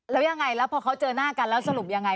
แล้วยังไงแล้วพอเขาเจอหน้ากันแล้วสรุปยังไง